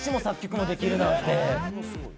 作詞・作曲もできるなんて。